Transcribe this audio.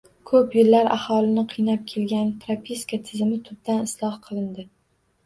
Ko‘p yillar aholini qiynab kelgan “propiska” tizimi tubdan isloh qilindi.